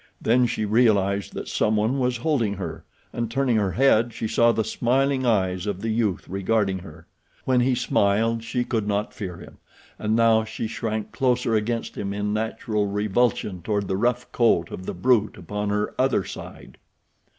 Then she realized that someone was holding her, and turning her head she saw the smiling eyes of the youth regarding her. When he smiled she could not fear him, and now she shrank closer against him in natural revulsion toward the rough coat of the brute upon her other side.